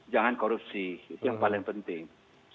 jangan korupsi itu yang paling penting